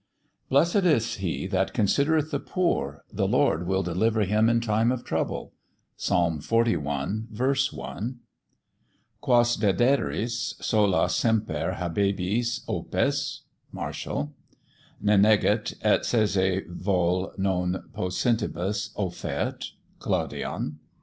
Blessed is he that considereth the poor: the Lord will deliver him in time of trouble. PSALM xli, 1. Quas dederis, solas semper habebis opes. MARTIAL. Nil negat, et sese vel non poscentibus offert. CLAUDIAN.